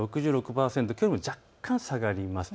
きょうよりも若干下がります。